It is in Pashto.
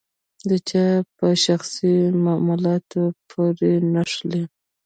د چا په شخصي معاملاتو پورې نښلي.